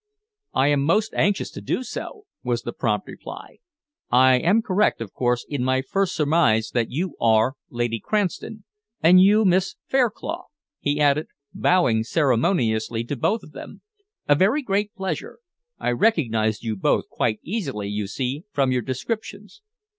"I am most anxious to do so," was the prompt reply. "I am correct, of course, in my first surmise that you are Lady Cranston and you Miss Fairclough?" he added, bowing ceremoniously to both of them. "A very great pleasure! I recognised you both quite easily, you see, from your descriptions."